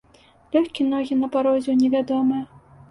Лёгкі ногі на парозе ў невядомае.